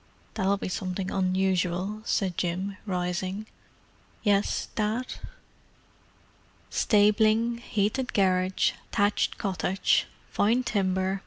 "That'll be something unusual," said Jim, rising. "Yes, Dad?" "Stabling, heated garage, thatched cottage. Fine timber.